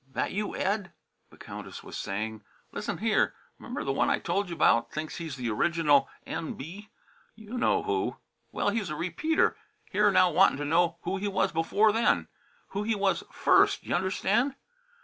"That you, Ed?" the Countess was saying. "Listen here. 'Member th' one I told you about, thinks he's the original N.B. you know who well he's a repeater; here now wantin' t' know who he was before then, who he was first y'understand.